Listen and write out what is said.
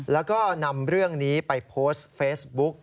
แล้วก็นำเรื่องนี้ไปโพสต์เฟซบุ๊ก